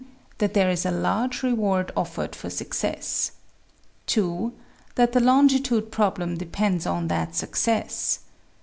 That there is a large reward offered for success; 2. That the longitude problem depends on that success; 3.